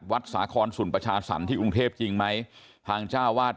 วัดสาครสุลปชาสรนที่กรุงเทภจริงไหมทางจ้าวาด